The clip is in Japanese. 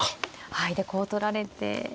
はいでこう取られて。